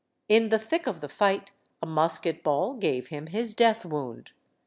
In the thick of the fight a musket ball gave him his death wound.